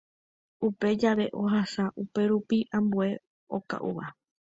Upe jave ohasa upérupi ambue okaʼúva.